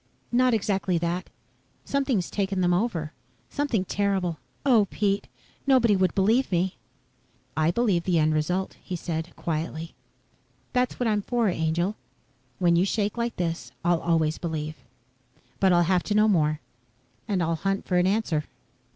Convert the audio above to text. "Not exactly that. Something's taken them over. Something terrible. Oh, Pete! Nobody would believe me." "I believe the end result," he said, quietly. "That's what I'm for, angel. When you shake like this I'll always believe. But I'll have to know more. And I'll hunt for an answer."